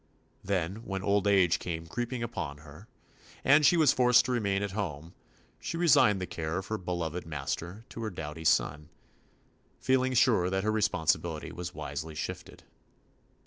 Then, when old age came creeping upon her, and 33 THE ADVENTURES OF she was forced to remain at home, she resigned the care of her beloved master to her doughty son, feeling sure that her responsibility was wisely shifted.